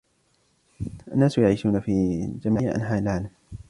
الناس يعيشون في جميع أنحاء العالم.